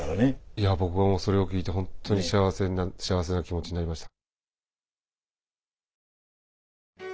いや僕はもうそれを聞いて本当に幸せな気持ちになりました。